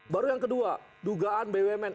baru yang kedua dugaan bumn